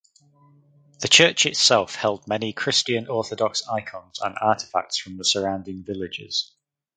The church itself held many Christian Orthodox icons and artifacts from the surrounding villages.